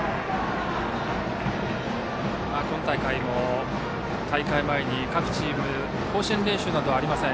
今大会も大会前に各チーム甲子園練習などはありません。